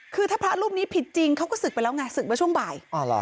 คือถ้าพระรูปนี้ผิดจริงเขาก็ศึกไปแล้วไงศึกมาช่วงบ่าย